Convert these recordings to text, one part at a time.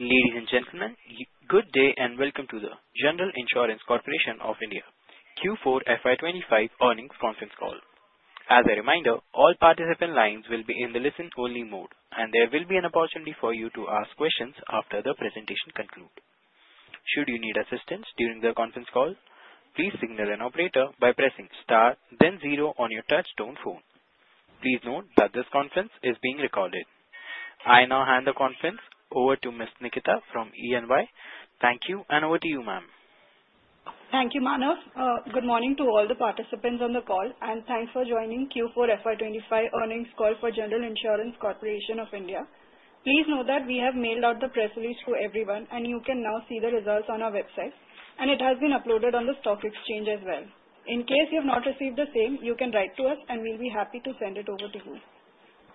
Ladies and gentlemen, good day and welcome to the General Insurance Corporation of India Q4 FY25 earnings conference call. As a reminder, all participant lines will be in the listen-only mode, and there will be an opportunity for you to ask questions after the presentation concludes. Should you need assistance during the conference call, please signal an operator by pressing star, then zero on your touchstone phone. Please note that this conference is being recorded. I now hand the conference over to Ms. Nikita from E&Y. Thank you, and over to you, ma'am. Thank you, Manav. Good morning to all the participants on the call, and thanks for joining Q4 FY25 earnings call for General Insurance Corporation of India. Please note that we have mailed out the press release to everyone, and you can now see the results on our website, and it has been uploaded on the stock exchange as well. In case you have not received the same, you can write to us, and we'll be happy to send it over to you.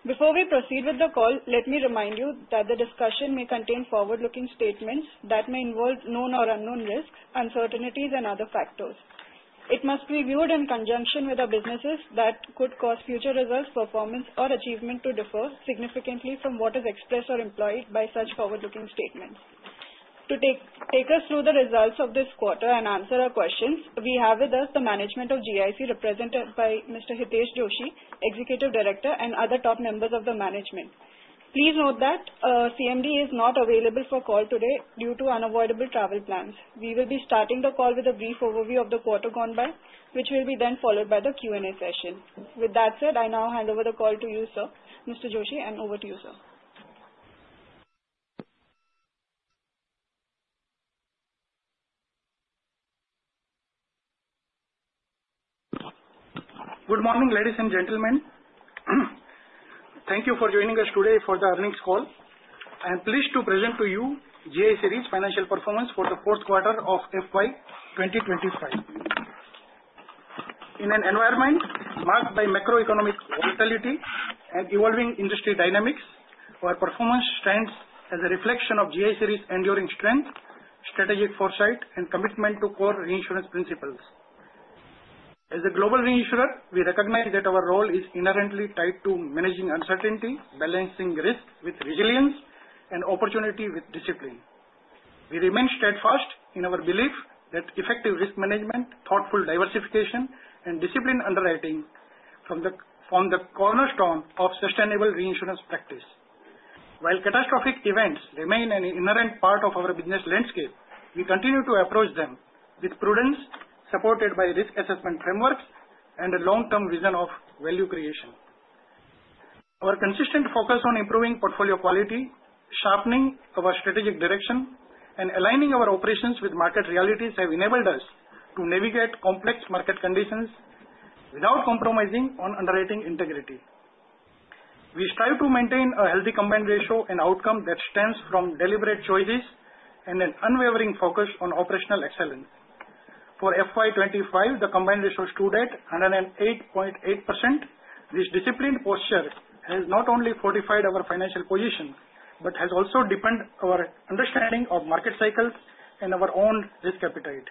Before we proceed with the call, let me remind you that the discussion may contain forward-looking statements that may involve known or unknown risks, uncertainties, and other factors. It must be viewed in conjunction with the businesses that could cause future results, performance, or achievement to differ significantly from what is expressed or implied by such forward-looking statements. To take us through the results of this quarter and answer our questions, we have with us the management of GIC represented by Mr. Hitesh Joshi, Executive Director, and other top members of the management. Please note that CMD is not available for the call today due to unavoidable travel plans. We will be starting the call with a brief overview of the quarter gone by, which will be then followed by the Q&A session. With that said, I now hand over the call to you, sir. Mr. Joshi, over to you, sir. Good morning, ladies and gentlemen. Thank you for joining us today for the earnings call. I am pleased to present to you GIC Re's financial performance for the fourth quarter of FY 2025. In an environment marked by macroeconomic volatility and evolving industry dynamics, our performance stands as a reflection of GIC Re's enduring strength, strategic foresight, and commitment to core reinsurance principles. As a global reinsurer, we recognize that our role is inherently tied to managing uncertainty, balancing risk with resilience, and opportunity with discipline. We remain steadfast in our belief that effective risk management, thoughtful diversification, and disciplined underwriting form the cornerstone of sustainable reinsurance practice. While catastrophic events remain an inherent part of our business landscape, we continue to approach them with prudence, supported by risk assessment frameworks and a long-term vision of value creation. Our consistent focus on improving portfolio quality, sharpening our strategic direction, and aligning our operations with market realities has enabled us to navigate complex market conditions without compromising on underwriting integrity. We strive to maintain a healthy combined ratio and outcome that stems from deliberate choices and an unwavering focus on operational excellence. For FY 2025, the combined ratio stood at 108.8%. This disciplined posture has not only fortified our financial position but has also deepened our understanding of market cycles and our own risk appetite.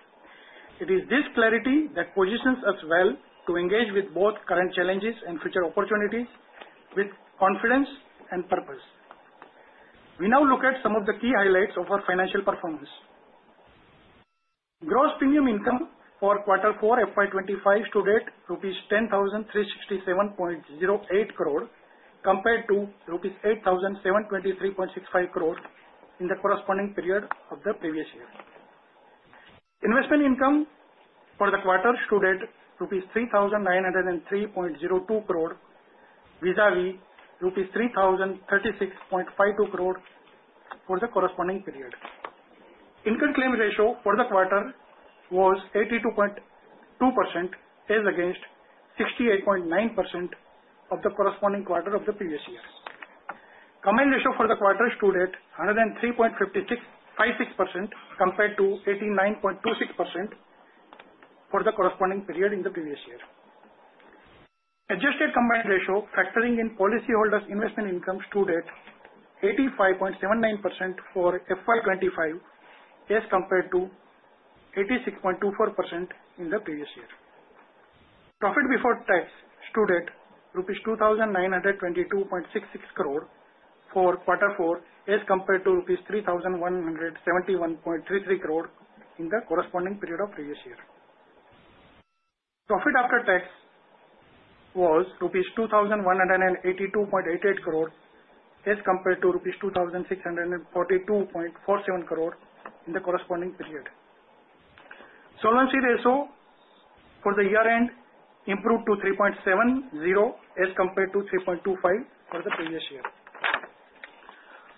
It is this clarity that positions us well to engage with both current challenges and future opportunities with confidence and purpose. We now look at some of the key highlights of our financial performance. Gross premium income for quarter four FY 2025 stood at INR 10,367.08 crore compared to INR 8,723.65 crore in the corresponding period of the previous year. Investment income for the quarter stood at rupees 3,903.02 crore vis-à-vis rupees 3,036.52 crore for the corresponding period. Incurred claim ratio for the quarter was 82.2% as against 68.9% of the corresponding quarter of the previous year. Combined ratio for the quarter stood at 103.56% compared to 89.26% for the corresponding period in the previous year. Adjusted combined ratio factoring in policyholders' investment income stood at 85.79% for FY 2025 as compared to 86.24% in the previous year. Profit before tax stood at 2,922.66 crore rupees for quarter four as compared to 3,171.33 crore rupees in the corresponding period of previous year. Profit after tax was rupees 2,182.88 crore as compared to rupees 2,642.47 crore in the corresponding period. Solvency ratio for the year-end improved to 3.70 as compared to 3.25 for the previous year.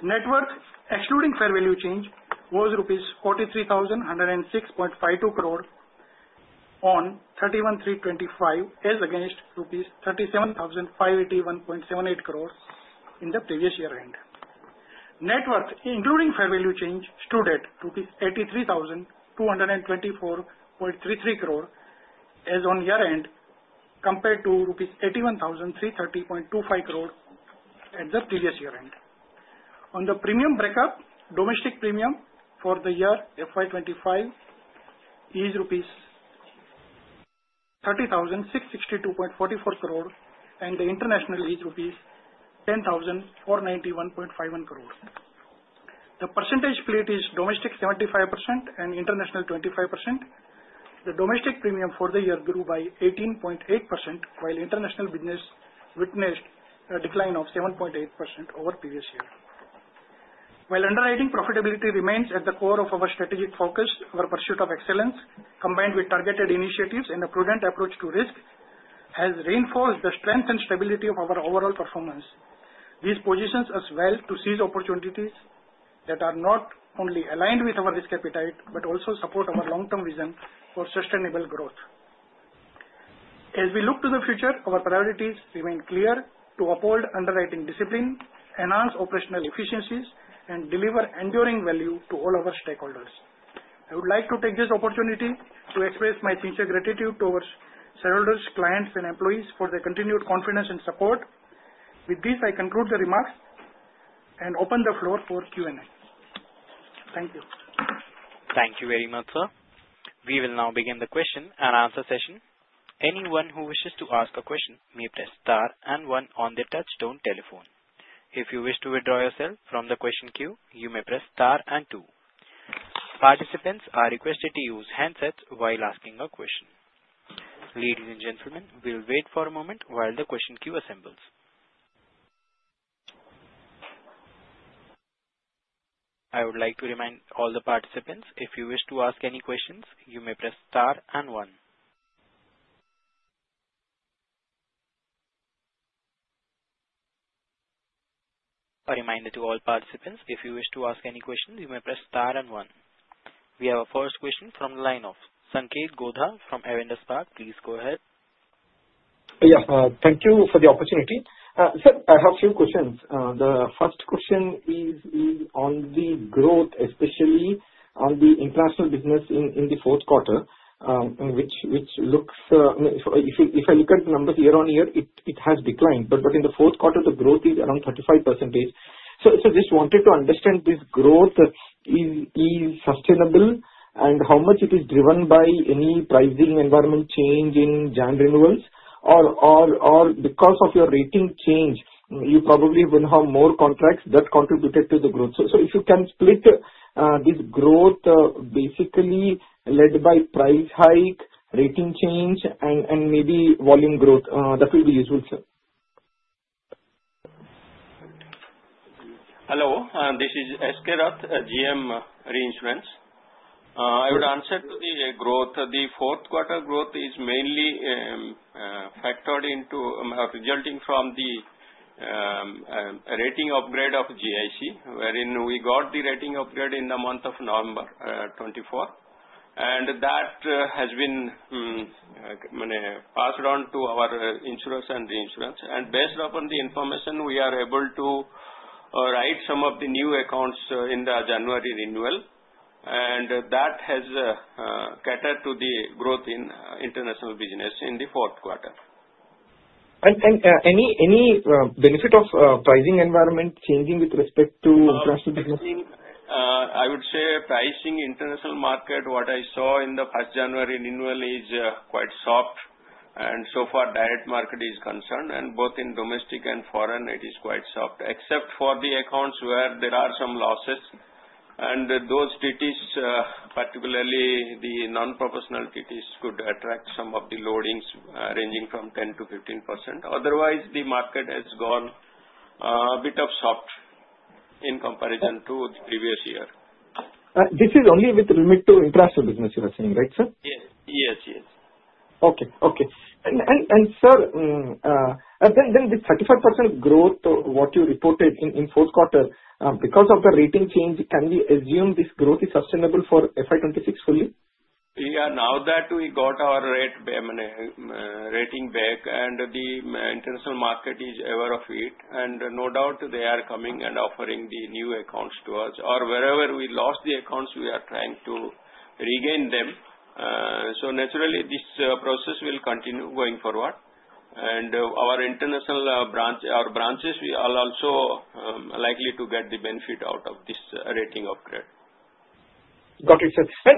Net worth excluding fair value change was rupees 43,106.52 crore on 31/03/2025 as against rupees 37,581.78 crore in the previous year-end. Net worth including fair value change stood at rupees 83,224.33 crore as on year-end compared to rupees 81,330.25 crore at the previous year-end. On the premium breakup, domestic premium for the year FY 2025 is INR 30,662.44 crore, and the international is 10,491.51 crore. The percentage split is domestic 75% and international 25%. The domestic premium for the year grew by 18.8%, while international business witnessed a decline of 7.8% over previous year. While underwriting profitability remains at the core of our strategic focus, our pursuit of excellence combined with targeted initiatives and a prudent approach to risk has reinforced the strength and stability of our overall performance. This positions us well to seize opportunities that are not only aligned with our risk appetite but also support our long-term vision for sustainable growth. As we look to the future, our priorities remain clear: to uphold underwriting discipline, enhance operational efficiencies, and deliver enduring value to all our stakeholders. I would like to take this opportunity to express my sincere gratitude towards shareholders, clients, and employees for their continued confidence and support. With this, I conclude the remarks and open the floor for Q&A. Thank you. Thank you very much, sir. We will now begin the question and answer session. Anyone who wishes to ask a question may press star and one on the touchstone telephone. If you wish to withdraw yourself from the question queue, you may press star and two. Participants are requested to use handsets while asking a question. Ladies and gentlemen, we'll wait for a moment while the question queue assembles. I would like to remind all the participants, if you wish to ask any questions, you may press star and one. A reminder to all participants, if you wish to ask any questions, you may press star and one. We have a first question from the line of Sanketh Godha from Avendus Spark. Please go ahead. Yes, thank you for the opportunity. Sir, I have a few questions. The first question is on the growth, especially on the international business in the fourth quarter, which looks, if I look at the numbers year on year, it has declined. In the fourth quarter, the growth is around 35%. I just wanted to understand if this growth is sustainable and how much it is driven by any pricing environment change in January renewals or because of your rating change. You probably have more contracts that contributed to the growth. If you can split this growth, basically led by price hike, rating change, and maybe volume growth, that would be useful, sir. Hello, this is S. K. Rath, GM Reinsurance. I would answer to the growth. The fourth quarter growth is mainly factored into resulting from the rating upgrade of GIC, wherein we got the rating upgrade in the month of November 2024. That has been passed on to our insurers and reinsurers. Based upon the information, we are able to write some of the new accounts in the January renewal. That has catered to the growth in international business in the fourth quarter. There any benefit of pricing environment changing with respect to international business? I would say pricing international market, what I saw in the first January renewal, is quite soft. As far as direct market is concerned, both in domestic and foreign, it is quite soft, except for the accounts where there are some losses. Those duties, particularly the non-professional duties, could attract some of the loadings ranging from 10-15%. Otherwise, the market has gone a bit softer in comparison to the previous year. This is only with the limit to international business, you are saying, right, sir? Yes, yes. Okay, okay. Sir, then this 35% growth, what you reported in fourth quarter, because of the rating change, can we assume this growth is sustainable for FY 2026 fully? Yeah, now that we got our rating back and the international market is aware of it, and no doubt they are coming and offering the new accounts to us. Wherever we lost the accounts, we are trying to regain them. Naturally, this process will continue going forward. Our branches are also likely to get the benefit out of this rating upgrade. Got it, sir. Sir,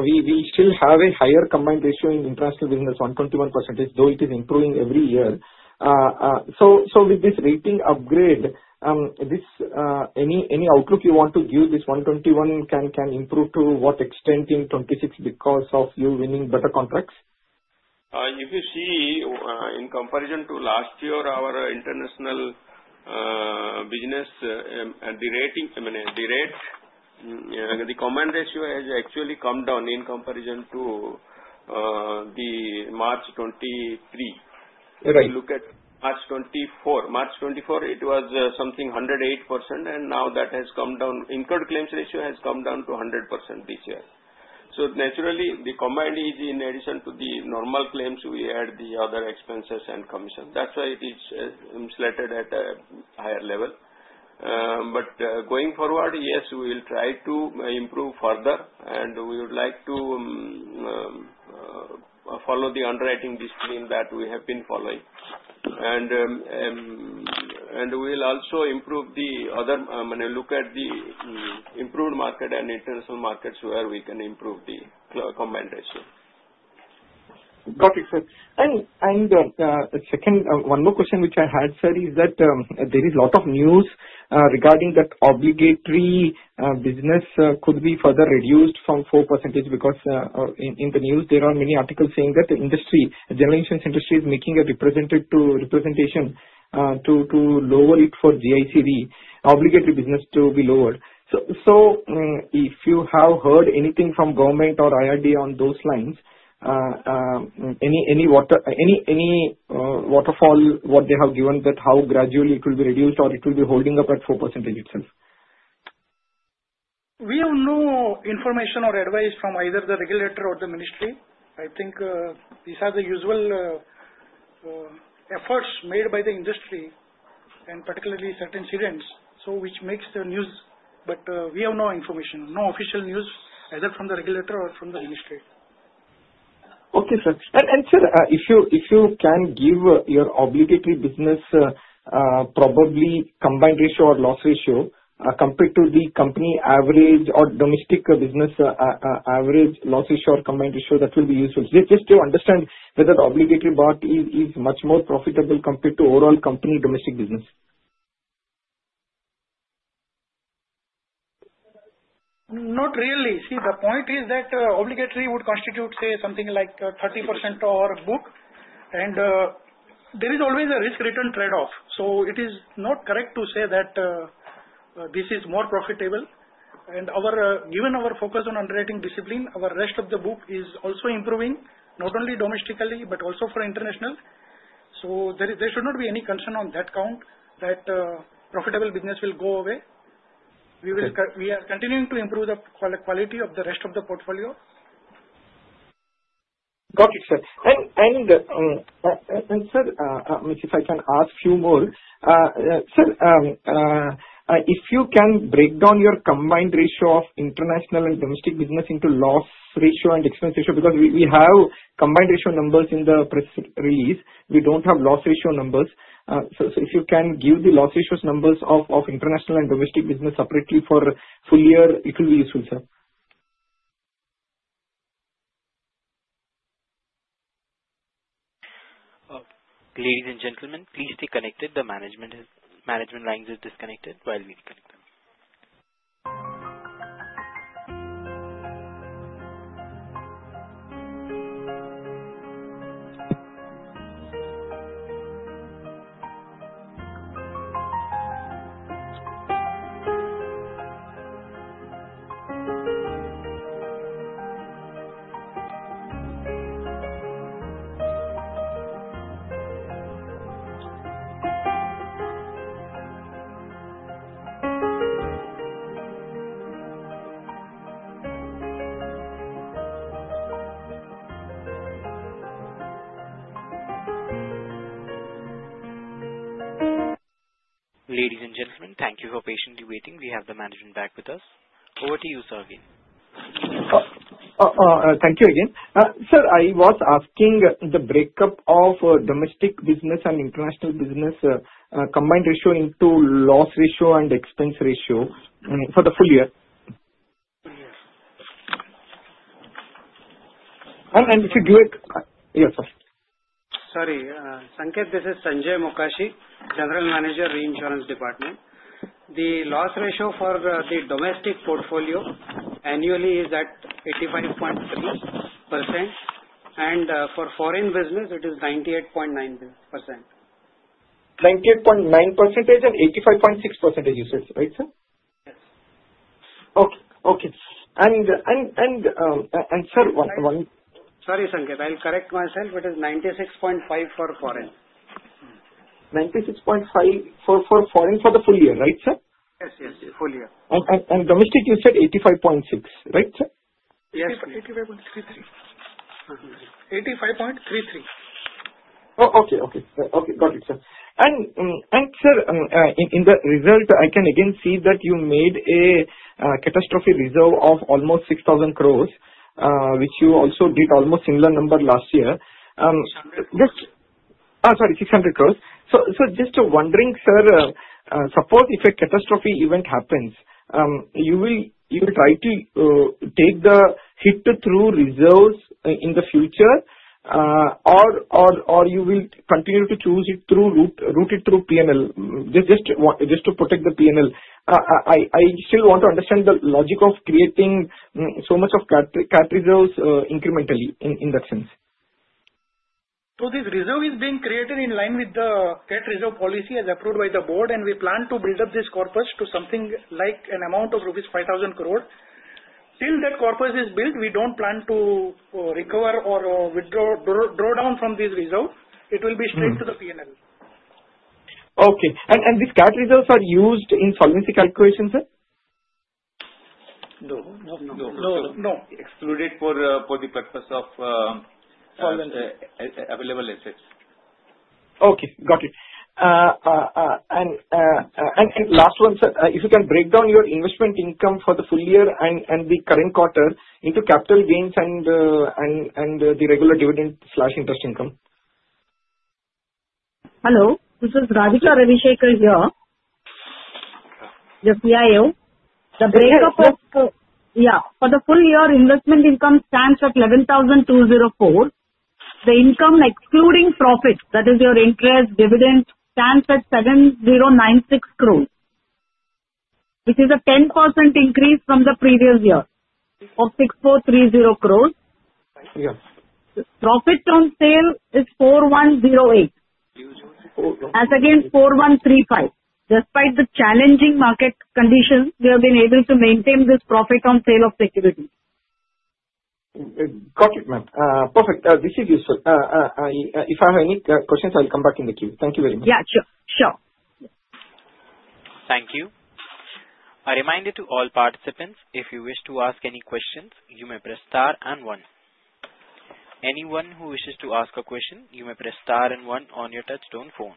we still have a higher combined ratio in international business, 121%, though it is improving every year. With this rating upgrade, any outlook you want to give? This 121% can improve to what extent in 2026 because of you winning better contracts? If you see, in comparison to last year, our international business, the rate, the combined ratio has actually come down in comparison to March 2023. If you look at March 2024, March 2024, it was something 108%, and now that has come down. Incurred claims ratio has come down to 100% this year. Naturally, the combined is in addition to the normal claims we had, the other expenses and commissions. That is why it is slated at a higher level. Going forward, yes, we will try to improve further, and we would like to follow the underwriting discipline that we have been following. We will also look at the improved market and international markets where we can improve the combined ratio. Got it, sir. Second, one more question which I had, sir, is that there is a lot of news regarding that obligatory business could be further reduced from 4% because in the news, there are many articles saying that the industry, the general insurance industry, is making a representation to lower it for GIC Re, obligatory business to be lowered. If you have heard anything from government or IRDA on those lines, any waterfall, what they have given that how gradually it will be reduced or it will be holding up at 4% itself? We have no information or advice from either the regulator or the ministry. I think these are the usual efforts made by the industry and particularly certain students, which makes the news. We have no information, no official news either from the regulator or from the ministry. Okay, sir. If you can give your obligatory business probably combined ratio or loss ratio compared to the company average or domestic business average loss ratio or combined ratio, that will be useful. Just to understand whether the obligatory part is much more profitable compared to overall company domestic business. Not really. See, the point is that obligatory would constitute, say, something like 30% of our book. There is always a risk-return trade-off. It is not correct to say that this is more profitable. Given our focus on underwriting discipline, our rest of the book is also improving, not only domestically but also for international. There should not be any concern on that count that profitable business will go away. We are continuing to improve the quality of the rest of the portfolio. Got it, sir. And sir, if I can ask you more, sir, if you can break down your combined ratio of international and domestic business into loss ratio and expense ratio because we have combined ratio numbers in the press release. We don't have loss ratio numbers. So if you can give the loss ratio numbers of international and domestic business separately for full year, it will be useful, sir. Ladies and gentlemen, please stay connected. The management line is disconnected while we connect them. Ladies and gentlemen, thank you for patiently waiting. We have the management back with us. Over to you, sir, again. Thank you again. Sir, I was asking the breakup of domestic business and international business combined ratio into loss ratio and expense ratio for the full year. And if you give it, yes, sir. Sorry, Sanketh, this is Sanjay Mokashi, General Manager, Reinsurance department. The loss ratio for the domestic portfolio annually is at 85.6%, and for foreign business, it is 98.9%. 98.9% and 85.6%, you said, right, sir? Yes. Okay, okay. And sir, one. Sorry, Sanketh, I'll correct myself. It is 96.5% for foreign. 96.5% for foreign for the full year, right, sir? Yes, yes, full year. Domestic, you said 85.6, right, sir? Yes, 85.33. 85.33. Okay, okay. Okay, got it, sir. In the result, I can again see that you made a catastrophe reserve of almost 600 crore, which you also did almost similar number last year. Sorry, 600 crore. Just wondering, sir, suppose if a catastrophe event happens, you will try to take the hit through reserves in the future, or you will continue to route it through P&L just to protect the P&L? I still want to understand the logic of creating so much of CAT reserves incrementally in that sense. This reserve is being created in line with the CAT reserve policy as approved by the board, and we plan to build up this corpus to something like an amount of rupees 5,000 crore. Till that corpus is built, we do not plan to recover or draw down from this reserve. It will be straight to the P&L. Okay. Are these CAT reserves used in solvency calculation, sir? No, no. No, no. Excluded for the purpose of available assets. Okay, got it. Last one, sir, if you can break down your investment income for the full year and the current quarter into capital gains and the regular dividend/interest income. Hello, this is Radhika Ravishekar here, the CIO. The breakup of, yeah, for the full year, investment income stands at 11,204 crore. The income excluding profits, that is your interest, dividend, stands at 7,096 crore, which is a 10% increase from the previous year of 6,430 crore. Profit on sale is 4,108 crore. That is again 4,135 crore. Despite the challenging market conditions, we have been able to maintain this profit on sale of security. Got it, ma'am. Perfect. This is useful. If I have any questions, I'll come back in the queue. Thank you very much. Yeah, sure. Thank you. A reminder to all participants, if you wish to ask any questions, you may press star and one. Anyone who wishes to ask a question, you may press star and one on your touchstone phone.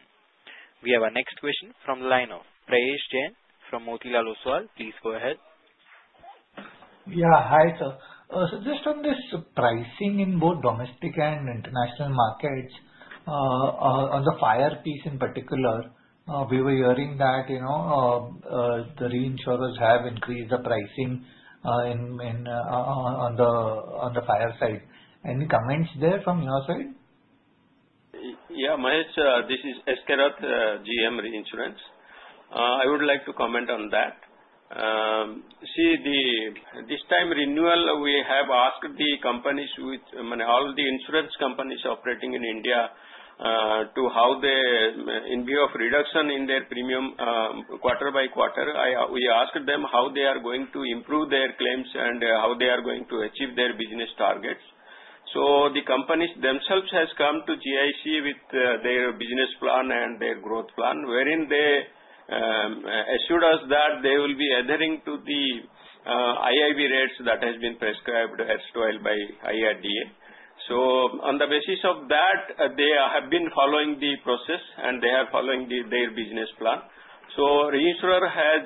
We have our next question from the line of Prayesh Jain from Motilal Oswal. Please go ahead. Yeah, hi, sir. So just on this pricing in both domestic and international markets, on the fire piece in particular, we were hearing that the reinsurers have increased the pricing on the fire side. Any comments there from your side? Yeah, Mahesh, this is S. K. Rath, GM Reinsurance. I would like to comment on that. See, this time renewal, we have asked the companies, all the insurance companies operating in India, how they, in view of reduction in their premium quarter-by-quarter, we asked them how they are going to improve their claims and how they are going to achieve their business targets. The companies themselves have come to GIC with their business plan and their growth plan, wherein they assured us that they will be adhering to the IIB rates that have been prescribed as well by IRDA. On the basis of that, they have been following the process, and they are following their business plan. Reinsurer has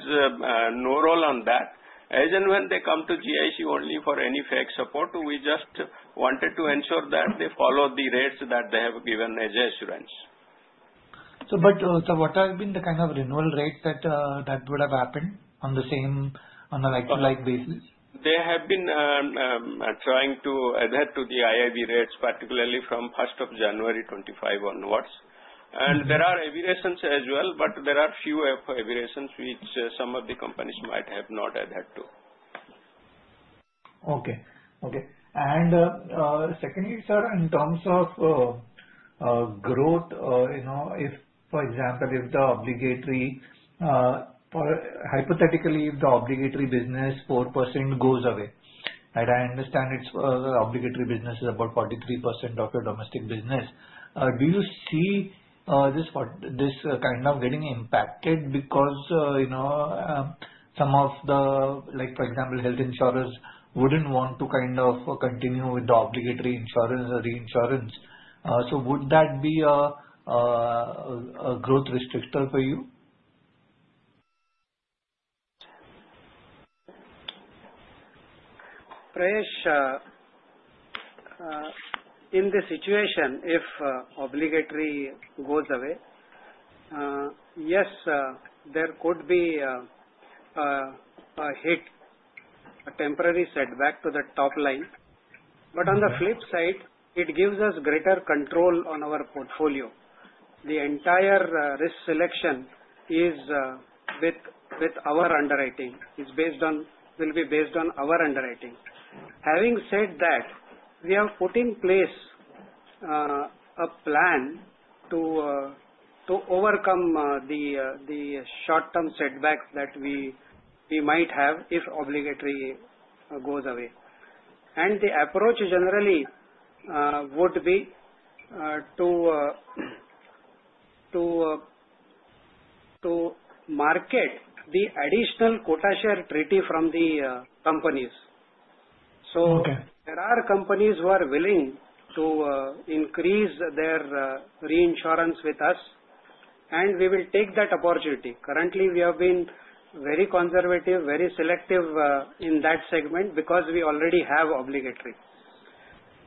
no role on that. As and when they come to GIC only for any FAC support, we just wanted to ensure that they follow the rates that they have given as insurance. What have been the kind of renewal rates that would have happened on the same on a like-to-like basis? They have been trying to adhere to the IIB rates, particularly from January 1, 2025 onwards. There are aberrations as well, but there are few aberrations which some of the companies might have not adhered to. Okay, okay. Secondly, sir, in terms of growth, for example, if the obligatory, hypothetically, if the obligatory business 4% goes away, and I understand obligatory business is about 43% of your domestic business, do you see this kind of getting impacted because some of the, for example, health insurers would not want to kind of continue with the obligatory insurance or reinsurance? Would that be a growth restrictor for you? Prayesh, in the situation, if obligatory goes away, yes, there could be a hit, a temporary setback to the top line. On the flip side, it gives us greater control on our portfolio. The entire risk selection is with our underwriting. It will be based on our underwriting. Having said that, we have put in place a plan to overcome the short-term setbacks that we might have if obligatory goes away. The approach generally would be to market the additional quota share treaty from the companies. There are companies who are willing to increase their reinsurance with us, and we will take that opportunity. Currently, we have been very conservative, very selective in that segment because we already have obligatory.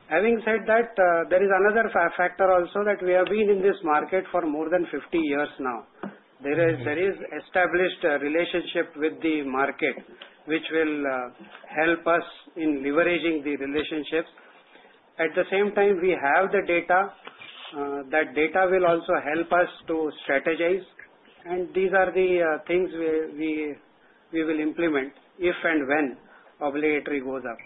There is another factor also that we have been in this market for more than 50 years now. There is established relationship with the market, which will help us in leveraging the relationships. At the same time, we have the data. That data will also help us to strategize. These are the things we will implement if and when obligatory goes up.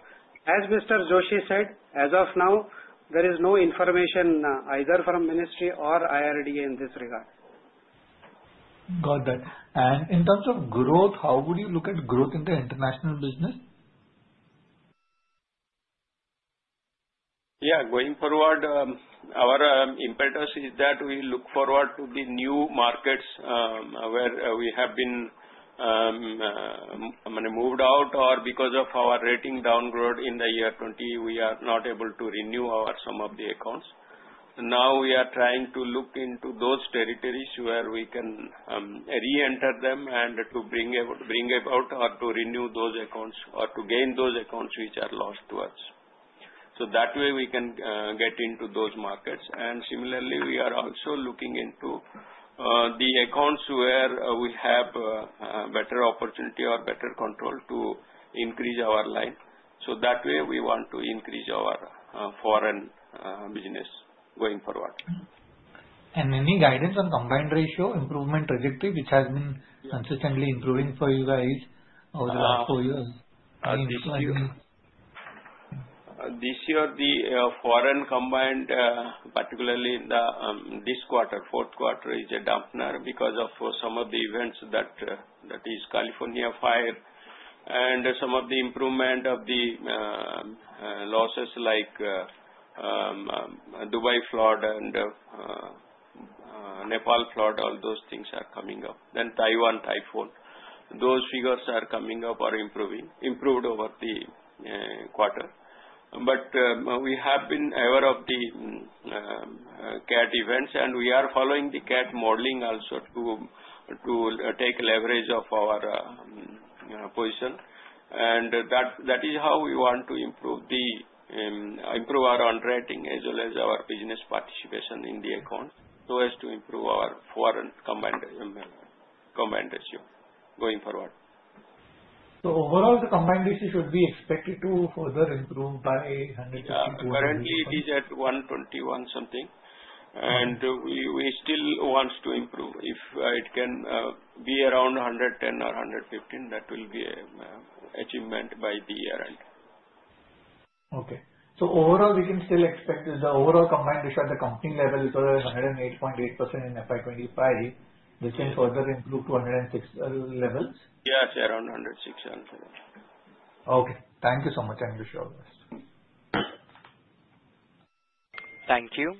As Mr. Joshi said, as of now, there is no information either from ministry or IRDA in this regard. Got that. In terms of growth, how would you look at growth in the international business? Yeah, going forward, our impetus is that we look forward to the new markets where we have been moved out, or because of our rating downgrade in the year 2020, we are not able to renew some of the accounts. Now we are trying to look into those territories where we can re-enter them and to bring about or to renew those accounts or to gain those accounts which are lost to us. That way, we can get into those markets. Similarly, we are also looking into the accounts where we have better opportunity or better control to increase our line. That way, we want to increase our foreign business going forward. Any guidance on combined ratio improvement trajectory, which has been consistently improving for you guys over the last four years? This year, the foreign combined, particularly in this quarter, fourth quarter, is a dampener because of some of the events that is California fire and some of the improvement of the losses like Dubai flood and Nepal flood, all those things are coming up. Taiwan typhoon, those figures are coming up or improved over the quarter. We have been aware of the CAT events, and we are following the CAT modeling also to take leverage of our position. That is how we want to improve our underwriting as well as our business participation in the account so as to improve our foreign combined ratio going forward. Overall, the combined ratio should be expected to further improve by 150 to 100. Currently, it is at 121 something, and we still want to improve. If it can be around 110 or 115, that will be an achievement by the year end. Okay. So overall, we can still expect the overall combined ratio at the company level is over 108.8% in FY25. This can further improve to 106% levels. Yeah, say around 106. Okay. Thank you so much, and wish you all the best. Thank you.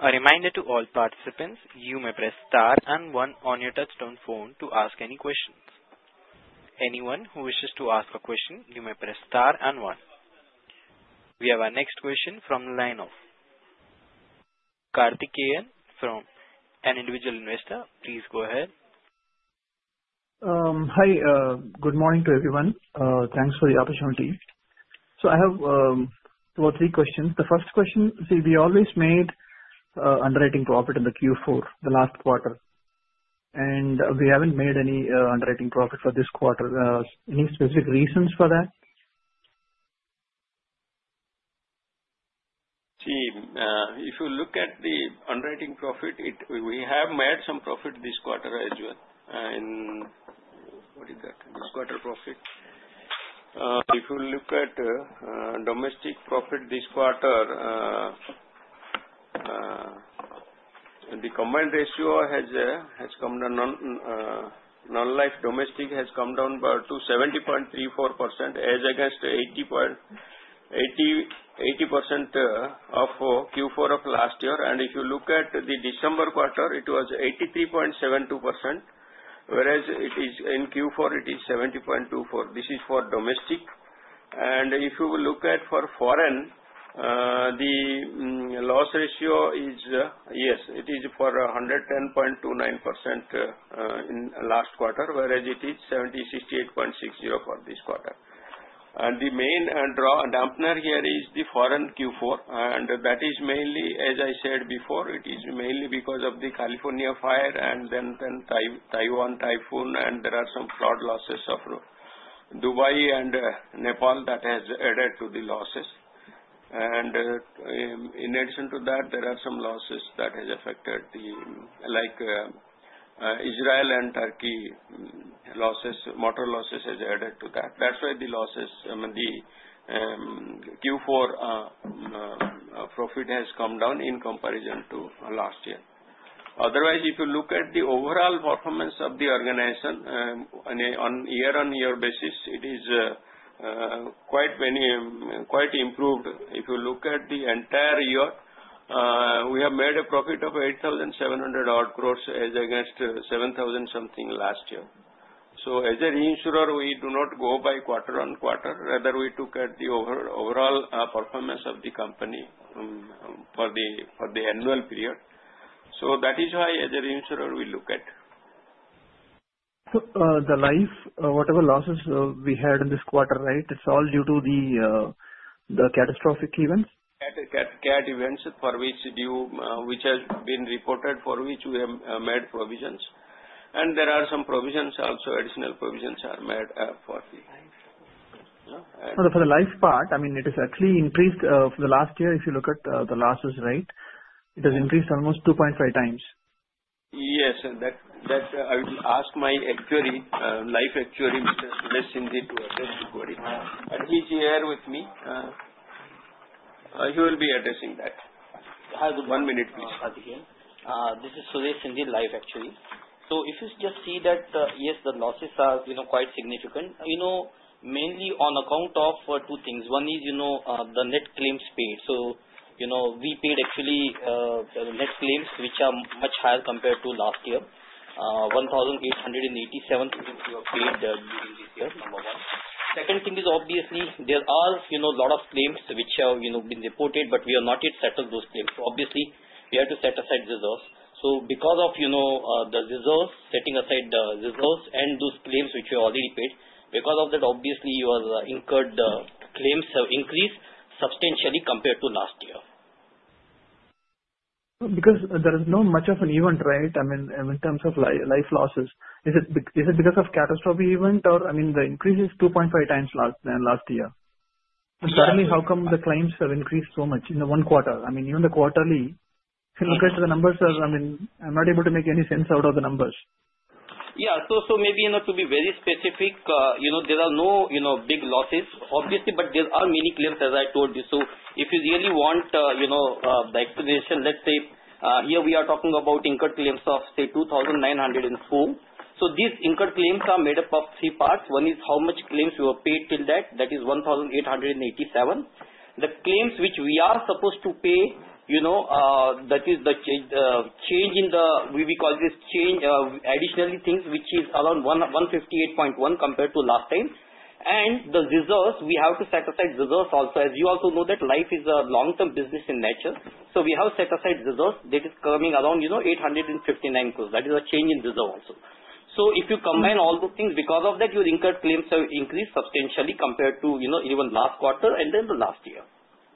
A reminder to all participants, you may press star and one on your touch-tone phone to ask any questions. Anyone who wishes to ask a question, you may press star and one. We have our next question from the line of Karthikeyan from an individual investor. Please go ahead. Hi, good morning to everyone. Thanks for the opportunity. I have two or three questions. The first question, see, we always made underwriting profit in the Q4, the last quarter, and we have not made any underwriting profit for this quarter. Any specific reasons for that? See, if you look at the underwriting profit, we have made some profit this quarter as well. What is that? This quarter profit. If you look at domestic profit this quarter, the combined ratio has come down. Non-life domestic has come down to 70.34% as against 80% of Q4 of last year. If you look at the December quarter, it was 83.72%, whereas in Q4, it is 70.24. This is for domestic. If you look at for foreign, the loss ratio is, yes, it is for 110.29% in last quarter, whereas it is 70.68.60 for this quarter. The main dampener here is the foreign Q4. That is mainly, as I said before, it is mainly because of the California fire and then Taiwan typhoon, and there are some flood losses of Dubai and Nepal that has added to the losses. In addition to that, there are some losses that have affected like Israel and Türkiye losses, motor losses have added to that. That's why the losses, I mean, the Q4 profit has come down in comparison to last year. Otherwise, if you look at the overall performance of the organization on year-on-year basis, it is quite improved. If you look at the entire year, we have made a profit of 8,700 crore as against 7,000 crore last year. As a reinsurer, we do not go by quarter on quarter. Rather, we look at the overall performance of the company for the annual period. That is why as a reinsurer, we look at. The life, whatever losses we had in this quarter, right, it's all due to the catastrophic events? CAT events for which have been reported for which we have made provisions. There are some provisions also, additional provisions are made for the. For the life part, I mean, it has actually increased for the last year. If you look at the losses, right, it has increased almost 2.5 times. Yes, I will ask my actuary, life actuary, Mr. Sindhi, to address the query. He is here with me. He will be addressing that. One minute, please. This is Suresh Sindhi, Life Actuary. If you just see that, yes, the losses are quite significant, mainly on account of two things. One is the net claims paid. We paid actually net claims which are much higher compared to last year, 1,887 crore paid during this year, number one. Second thing is obviously there are a lot of claims which have been reported, but we have not yet settled those claims. Obviously, we have to set aside reserves. Because of the reserves, setting aside the reserves and those claims which we already paid, because of that, obviously, your incurred claims have increased substantially compared to last year. Because there is not much of an event, right? I mean, in terms of life losses, is it because of a catastrophe event or, I mean, the increase is 2.5 times than last year? Tell me how come the claims have increased so much in one quarter. I mean, even the quarterly, if you look at the numbers, I mean, I'm not able to make any sense out of the numbers. Yeah. Maybe to be very specific, there are no big losses, obviously, but there are many claims, as I told you. If you really want the explanation, let's say here we are talking about incurred claims of, say, 2,904 crore. These incurred claims are made up of three parts. One is how much claims were paid till that. That is 1,887 crore. The claims which we are supposed to pay, that is the change in the, we call this additional things, which is around 158.1 crore compared to last time. The reserves, we have to set aside reserves also. As you also know, life is a long-term business in nature. We have set aside reserves. That is coming around 859 crore. That is a change in reserve also. If you combine all those things, because of that, your incurred claims have increased substantially compared to even last quarter and then the last year.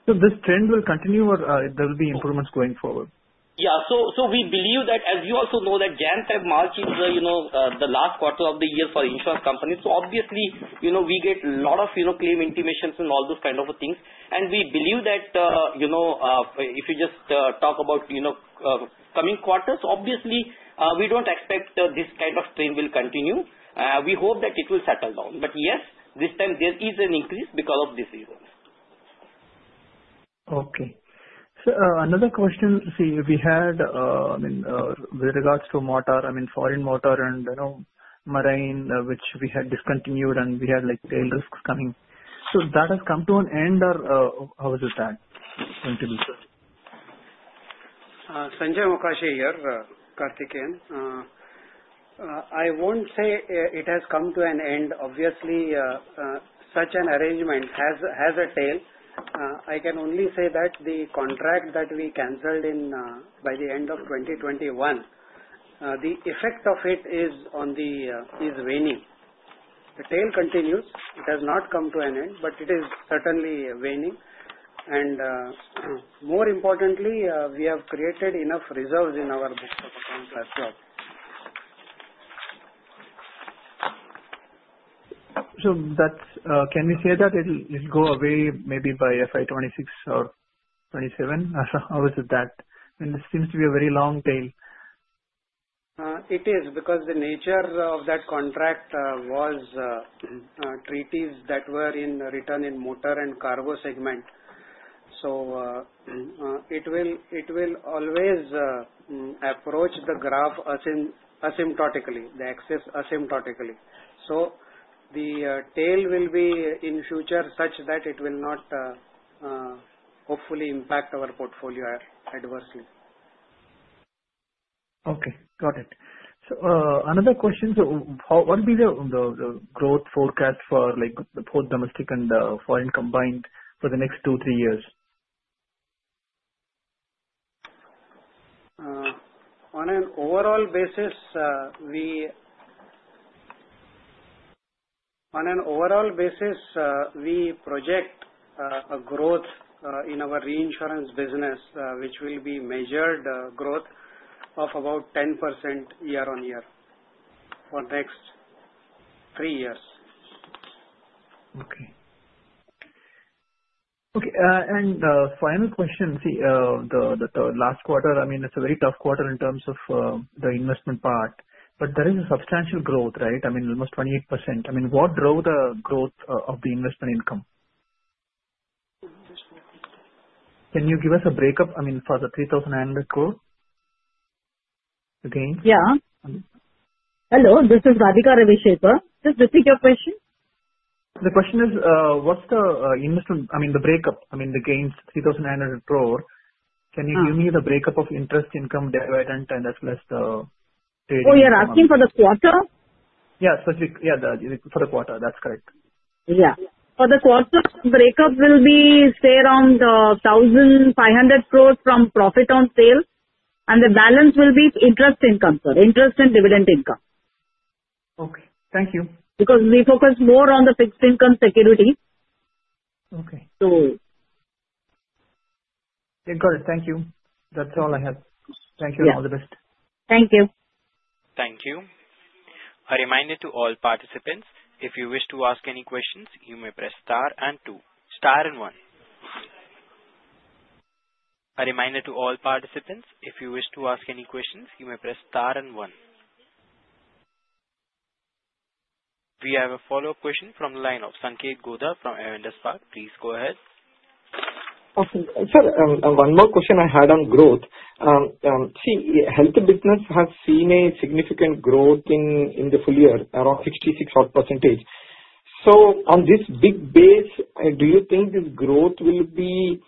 Will this trend continue or will there be improvements going forward? Yeah. So we believe that, as you also know, that Jan, Feb, March is the last quarter of the year for insurance companies. Obviously, we get a lot of claim intimations and all those kind of things. We believe that if you just talk about coming quarters, obviously, we do not expect this kind of trend will continue. We hope that it will settle down. Yes, this time, there is an increase because of this reason. Okay. Another question. See, we had, I mean, with regards to motor, I mean, foreign motor and marine, which we had discontinued, and we had tail risks coming. That has come to an end, or how is that going to be? I will not say it has come to an end. Obviously, such an arrangement has a tail. I can only say that the contract that we canceled by the end of 2021, the effect of it is waning. The tail continues. It has not come to an end, but it is certainly waning. More importantly, we have created enough reserves in our books of account last year. Can we say that it will go away maybe by FY 2026 or 2027? How is it that? I mean, it seems to be a very long tail. It is because the nature of that contract was treaties that were in return in motor and cargo segment. It will always approach the graph asymptotically, the excess asymptotically. The tail will be in future such that it will not hopefully impact our portfolio adversely. Okay. Got it. Another question. What will be the growth forecast for both domestic and foreign combined for the next two-three years? On an overall basis, we project a growth in our reinsurance business, which will be measured growth of about 10% year-on-year for the next three years. Okay. Okay. Final question. See, the last quarter, I mean, it's a very tough quarter in terms of the investment part. There is a substantial growth, right? I mean, almost 28%. I mean, what drove the growth of the investment income? Can you give us a breakup, I mean, for the 3,900 crore gains? Yeah. Hello. This is Radhika Ravishekar. Just repeat your question. The question is, what's the, I mean, the breakup, I mean, the gains, 3,900 crore? Can you give me the breakup of interest income, dividend, and as well as the tail? Oh, you're asking for the quarter? Yeah. Specific, yeah, for the quarter. That's correct. Yeah. For the quarter, breakup will be, say, around 1,500 crore from profit on sale. The balance will be interest income, sorry, interest and dividend income. Okay. Thank you. Because we focus more on the fixed income security. Okay. Got it. Thank you. That's all I have. Thank you. All the best. Thank you. Thank you. A reminder to all participants, if you wish to ask any questions, you may press star and two. Star and one. A reminder to all participants, if you wish to ask any questions, you may press star and one. We have a follow-up question from the line of Sanketh Godha from Avendus Spark. Please go ahead. Okay. One more question I had on growth. See, health business has seen a significant growth in the full year, around 66-odd-percentage. On this big base, do you think this growth will be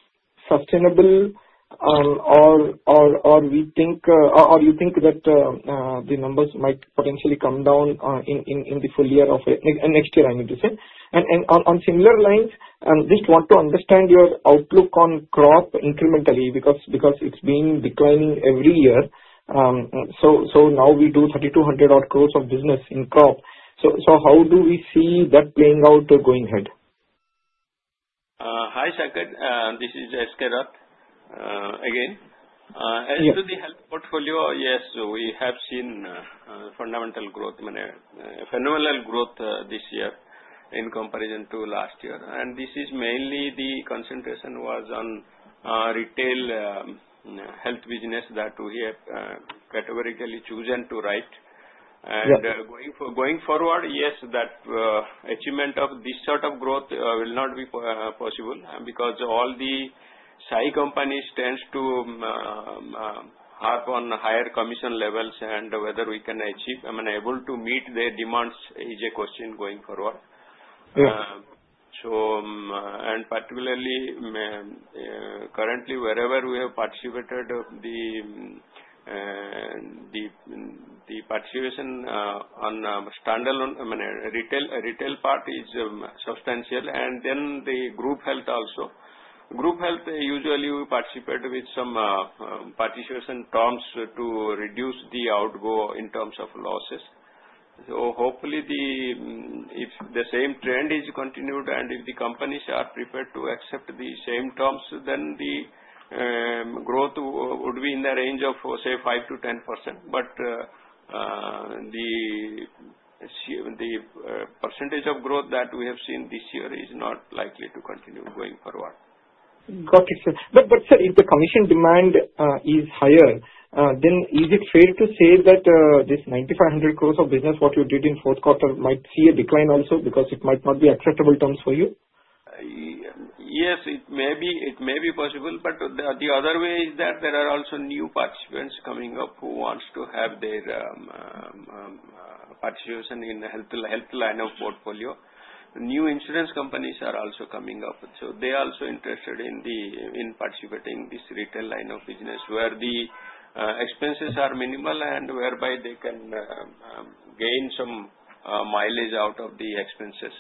sustainable, or you think that the numbers might potentially come down in the full year of next year, I mean to say? On similar lines, just want to understand your outlook on crop incrementally because it has been declining every year. Now we do 3,200 odd crore of business in crop. How do we see that playing out going ahead? Hi, Sanketh. This is S. K. Rath again. As to the health portfolio, yes, we have seen phenomenal growth this year in comparison to last year. I mean, this is mainly the concentration was on retail health business that we have categorically chosen to write. Going forward, yes, that achievement of this sort of growth will not be possible because all the SAHI companies tend to harp on higher commission levels. Whether we can achieve, I mean, able to meet their demands is a question going forward. Particularly, currently, wherever we have participated, the participation on standalone, I mean, retail part is substantial. Then the group health also. Group health, usually, we participate with some participation terms to reduce the outgo in terms of losses. Hopefully, if the same trend is continued and if the companies are prepared to accept the same terms, then the growth would be in the range of 5-10%. The percentage of growth that we have seen this year is not likely to continue going forward. Got it. If the commission demand is higher, then is it fair to say that this 9,500 crore of business, what you did in fourth quarter, might see a decline also because it might not be acceptable terms for you? Yes, it may be possible. The other way is that there are also new participants coming up who want to have their participation in the health line of portfolio. New insurance companies are also coming up. They are also interested in participating in this retail line of business where the expenses are minimal and whereby they can gain some mileage out of the expenses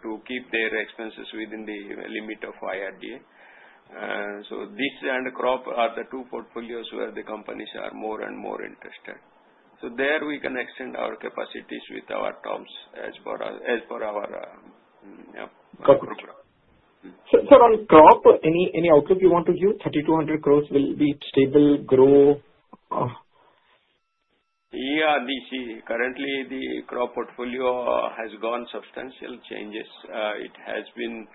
to keep their expenses within the limit of IRDA. This and crop are the two portfolios where the companies are more and more interested. There we can extend our capacities with our terms as per our program. On crop, any outlook you want to give? 3,200 crore will be stable, grow? Yeah. Currently, the crop portfolio has gone substantial changes. It has been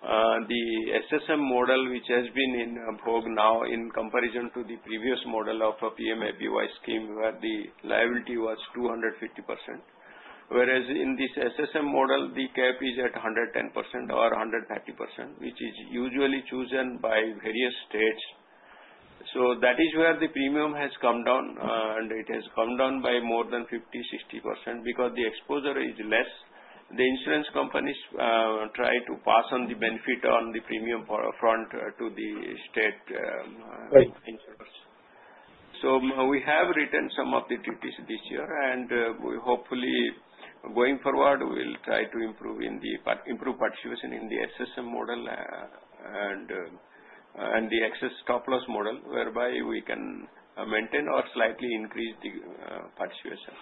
the SSM model, which has been in vogue now in comparison to the previous model of PMAY scheme where the liability was 250%. Whereas in this SSM model, the cap is at 110% or 130%, which is usually chosen by various states. That is where the premium has come down. It has come down by more than 50-60% because the exposure is less. The insurance companies try to pass on the benefit on the premium front to the state insurers. We have retained some of the duties this year. Hopefully, going forward, we'll try to improve participation in the SSM model and the excess stop-loss model whereby we can maintain or slightly increase the participation.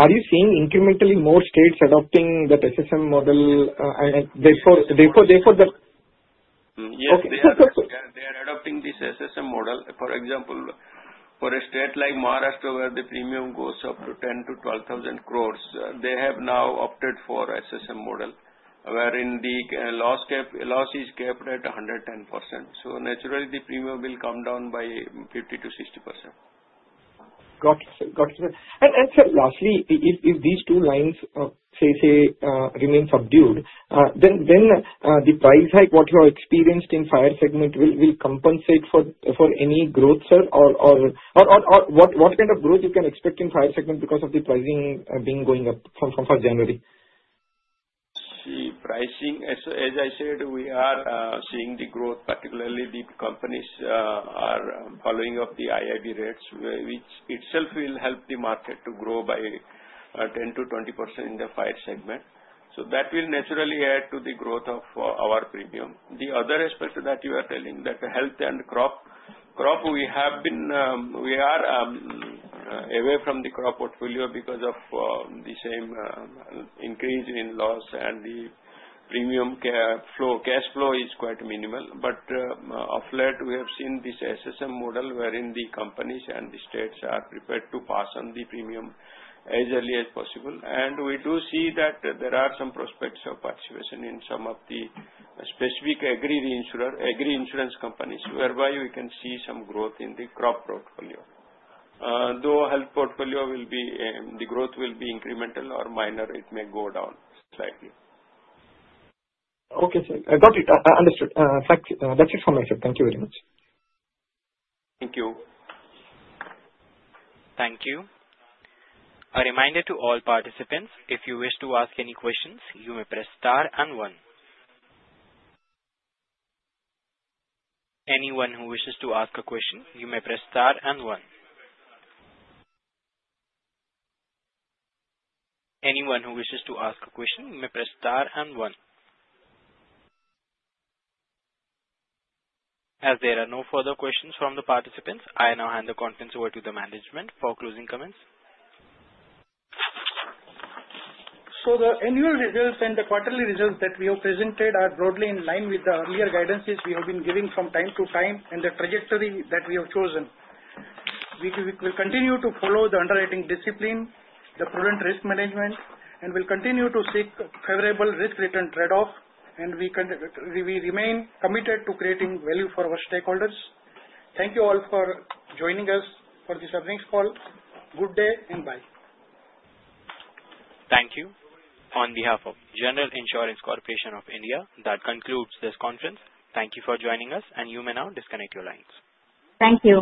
Are you seeing incrementally more states adopting that SSM model? Therefore, the. Yes. They are adopting this SSM model. For example, for a state like Maharashtra, where the premium goes up to 10,000-12,000 crore, they have now opted for SSM model wherein the loss is capped at 110%. So naturally, the premium will come down by 50-60%. Got it. Lastly, if these two lines, say, remain subdued, then the price hike, what you have experienced in fire segment, will compensate for any growth, sir? What kind of growth you can expect in fire segment because of the pricing being going up from first January? See, pricing, as I said, we are seeing the growth, particularly the companies are following up the IRDA rates, which itself will help the market to grow by 10-20% in the fire segment. That will naturally add to the growth of our premium. The other aspect that you are telling, that health and crop, we have been away from the crop portfolio because of the same increase in loss and the premium flow. Cash flow is quite minimal. Of late, we have seen this SSM model wherein the companies and the states are prepared to pass on the premium as early as possible. We do see that there are some prospects of participation in some of the specific agri-insurance companies whereby we can see some growth in the crop portfolio. Though health portfolio will be the growth will be incremental or minor, it may go down slightly. Okay, sir. I got it. Understood. That's it from my side. Thank you very much. Thank you. Thank you. A reminder to all participants, if you wish to ask any questions, you may press star and one. As there are no further questions from the participants, I now hand the conference over to the management for closing comments. The annual results and the quarterly results that we have presented are broadly in line with the earlier guidances we have been giving from time to time and the trajectory that we have chosen. We will continue to follow the underwriting discipline, the prudent risk management, and will continue to seek favorable risk-return trade-off. We remain committed to creating value for our stakeholders. Thank you all for joining us for this evening's call. Good day and bye. Thank you. On behalf of General Insurance Corporation of India, that concludes this conference. Thank you for joining us, and you may now disconnect your lines. Thank you.